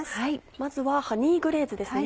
まずはハニーグレーズですね。